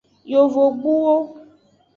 Yovogbuwo.